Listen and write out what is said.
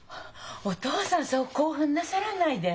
お父さんそう興奮なさらないで。